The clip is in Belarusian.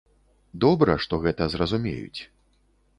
Добра, што гэта зразумеюць.